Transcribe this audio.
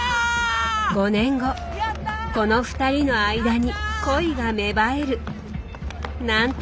５年後この２人の間に恋が芽生える。なんて